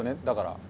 だから。